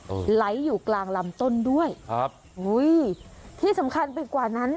ไหลอยู่กลางลำต้นด้วยครับอุ้ยที่สำคัญไปกว่านั้น